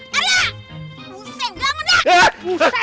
buset jangan nge